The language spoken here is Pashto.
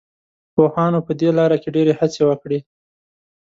پوهانو په دې لاره کې ډېرې هڅې وکړې.